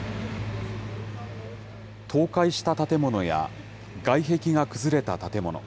倒壊した建物や外壁が崩れた建物。